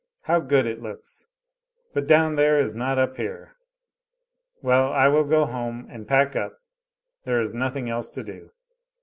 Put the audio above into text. How good it looks! But down there is not up here. Well, I will go home and pack up there is nothing else to do."